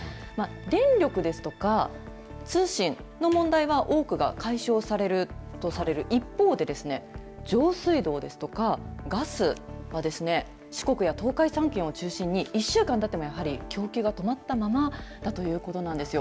電力ですとか通信の問題は、多くが解消されるとされる一方で、上水道ですとか、ガスは、四国や東海３県を中心に、１週間たってもやはり供給が止まったままだということなんですよ。